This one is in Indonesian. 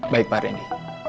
baik pak rendy